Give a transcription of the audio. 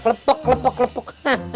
lepuk lepuk lepuk